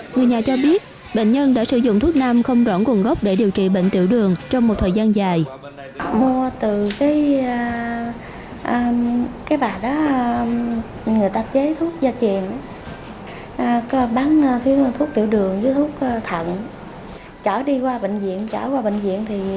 người nhà cho biết bệnh nhân đã sử dụng thuốc nam không rõ nguồn gốc để điều trị bệnh tiểu đường trong một thời gian dài